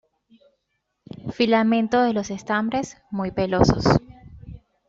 Filamentos de los estambres muy pelosos.